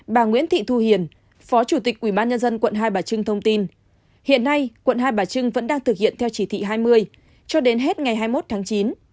bà nguyễn thị thu hiền phó chủ tịch ubnd quận hai bà trưng thông tin hiện nay quận hai bà trưng vẫn đang thực hiện theo chỉ thị hai mươi cho đến hết ngày hai mươi một tháng chín